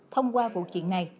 thông qua vụ chuyện này